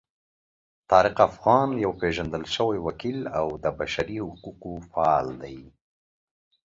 طارق افغان یو پیژندل شوی وکیل او د بشري حقونو فعال دی.